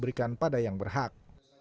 diberikan pada yang berhak